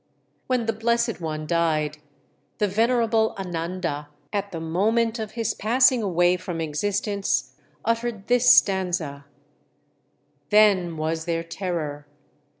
When the Blessed One died, the venerable Ananda, at the moment of his passing away from existence, uttered this stanza: "Then was there terror!